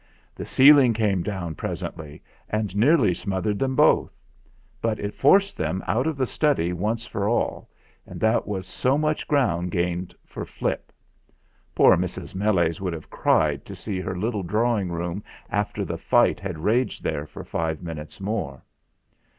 The ceiling came down pres ently and nearly smothered them both; but it forced them out of the study once for all, and that was so much ground gained for Flip. Poor Mrs. Meles would have cried to see her little drawing room after the fight had raged there for five minutes more.